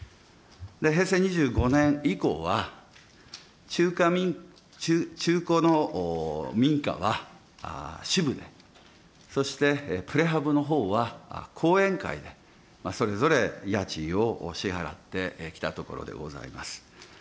平成２５年以降は、中古の民家は支部で、そしてプレハブのほうは後援会で、それぞれ家賃を支払ってきたところでございます。